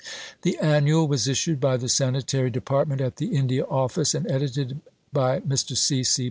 The Annual was issued by the Sanitary Department at the India Office and edited by Mr. C. C.